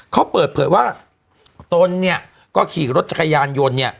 เขาเปิดเผยว่าตนเนี่ยก็ขี่รถจักรยานยนต์เนี่ย